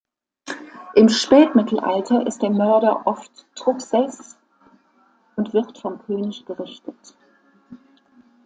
Im Spätmittelalter ist der Mörder oft Truchsess und wird vom König gerichtet.